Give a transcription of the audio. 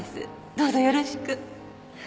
どうぞよろしく。